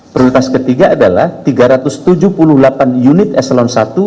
prioritas ketiga adalah tiga ratus tujuh puluh delapan unit eselon i